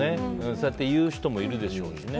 そうやっていう人もいるでしょうしね。